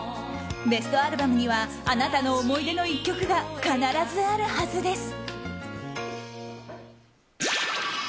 ベストアルバムにはあなたの思い出の１曲が必ずあるはずです。